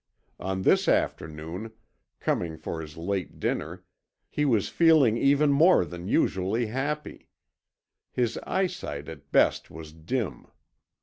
On this afternoon, coming for his late dinner, he was feeling even more than usually happy. His eyesight at best was dim.